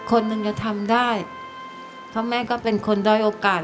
ทั้งในเรื่องของการทำงานเคยทำนานแล้วเกิดปัญหาน้อย